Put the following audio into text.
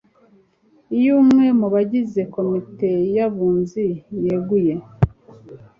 iyo umwe mu bagize komite y abunzi yeguye